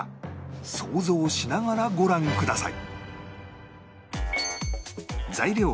想像しながらご覧ください